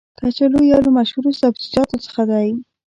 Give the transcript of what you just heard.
کچالو یو له مشهورو سبزیجاتو څخه دی.